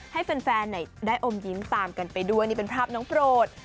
ให้แฟนได้อมยิ้มตามกันไปด้วยนี่เป็นภาพน้องโปรด